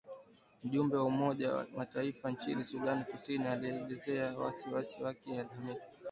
Mjumbe wa Umoja wa Mataifa nchini Sudan Kusini alielezea wasi wasi wake Alhamisi.